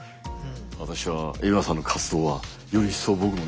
私は海老名さんの活動はより一層僕もね